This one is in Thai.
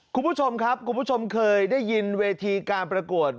คุณผู้ชมครับคุณผู้ชมเคยได้ยินเวทีการประกวด